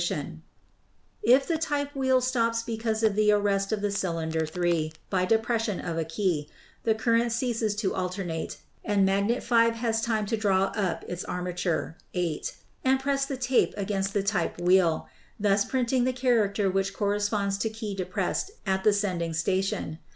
ELECTRO MAGNETIC TELEGRAPH 305 If the type wheel stops because of the arrest of the cylinder 3 by depression of a key, the current ceases to alternate and magnet 5 has time to draw up its armature, 8, and press the tape against the type wheel, thus printing the character which corresponds to key depressed at the sending station.